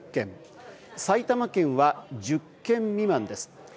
埼玉県は１０軒未満です。